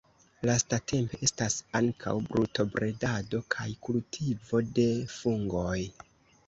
Lastatempe estas ankaŭ brutobredado kaj kultivo de fungoj.